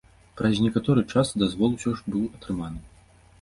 Праз некаторы час дазвол усё ж быў атрыманы.